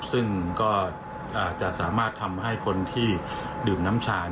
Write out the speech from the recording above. ซึ่งก็จะสามารถทำให้คนที่ดื่มน้ำชาย